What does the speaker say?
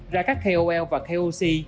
ra các kol và koc